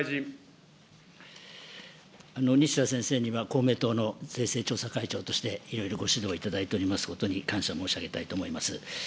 西田先生には、公明党の税制調査会長として、いろいろご指導いただいておりますことに感謝申し上げたいと思います。